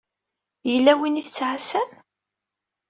Yella win i tettɛasam?